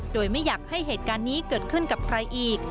โดยไม่อยากให้เหตุการณ์นี้เกิดขึ้นกับใครอีก